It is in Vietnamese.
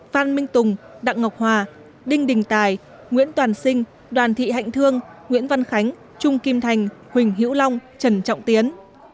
phan minh tùng đặng ngọc hòa đinh đình tài nguyễn toàn sinh đoàn thị hạnh thương nguyễn văn khánh trung kim thành huỳnh hữu long trần trọng tiến